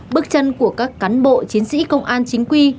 bước chân của các cán bộ chiến sĩ công an chính quy